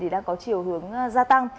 đã có chiều hướng gia tăng